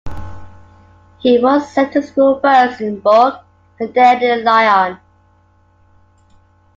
He was sent to school first in Bourg and then in Lyon.